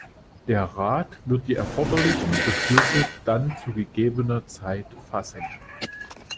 Der Rat wird die erforderlichen Beschlüsse dann zu gegebener Zeit fassen.